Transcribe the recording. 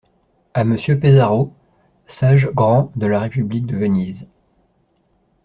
À Monsieur Pesaro, sage grand de la république de Venise.